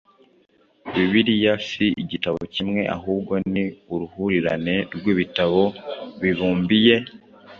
Bibiliya si igitabo kimwe ahubwo ni uruhurirane rw‟ibitabo bibumbiye